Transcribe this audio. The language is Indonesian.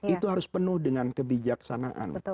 itu harus penuh dengan kebijaksanaan